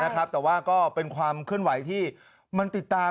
แต่ว่าก็เป็นความเคลื่อนไหวที่มันติดตาม